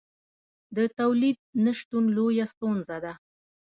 د تولید نشتون لویه ستونزه ده.